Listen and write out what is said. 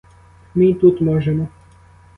Ми й тут можемо.